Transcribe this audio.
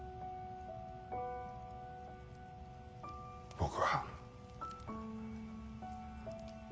僕は。